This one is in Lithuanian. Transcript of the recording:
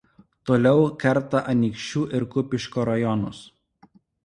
Toliau kerta Anykščių ir Kupiškio rajonus.